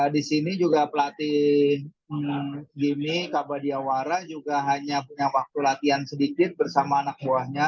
di sini juga pelatih gimmi kabadiawara juga hanya punya waktu latihan sedikit bersama anak buahnya